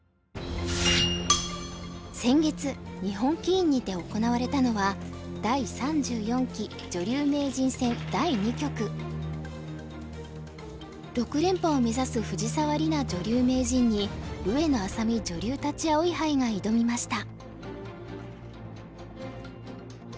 先月日本棋院にて行われたのは６連覇を目指す藤沢里菜女流名人に上野愛咲美女流立葵杯が挑みました。